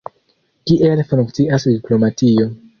Kiel funkcias diplomatio.